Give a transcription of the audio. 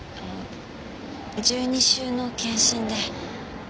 １２週の検診で。